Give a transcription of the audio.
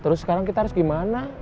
terus sekarang kita harus gimana